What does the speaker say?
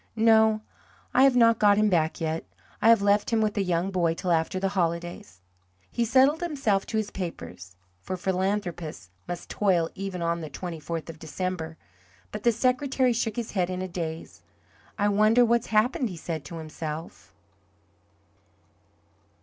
"No, I have not got him back yet. I have left him with a young boy till after the holidays." He settled himself to his papers, for philanthropists must toil even on the twenty fourth of December, but the secretary shook his head in a daze. "I wonder what's happened?" he said to himself.